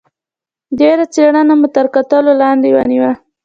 ډېره څېړنه مو تر کتلو لاندې ونیوه.